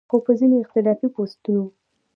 خو پۀ ځينې اختلافي پوسټونو